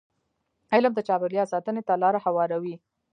علم د چاپېریال ساتنې ته لاره هواروي.